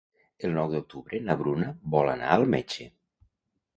El nou d'octubre na Bruna vol anar al metge.